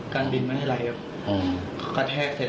เขาบอกเออไม่ได้เขาก็โดดต่อยผม